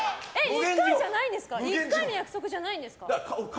１回の約束じゃないんですか？